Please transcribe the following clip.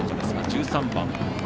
１３番。